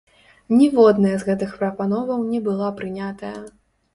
Ніводная з гэтых прапановаў не была прынятая.